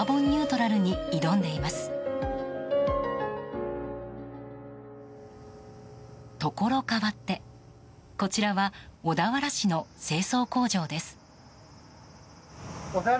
ところ変わって、こちらは小田原市の清掃工場です。